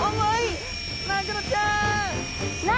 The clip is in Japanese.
マグロちゃん！